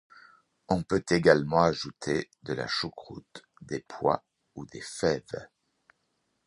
On peut également ajouter de la choucroute, des pois ou des fèves.